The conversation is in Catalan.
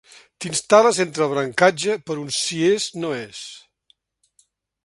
T'instal·les entre el brancatge per un si és no és.